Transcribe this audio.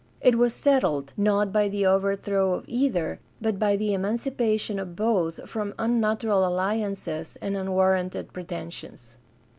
It was settled, not by the overthrow of either, but by the emancipation of both from unnatural alliances and unwarranted pretensions.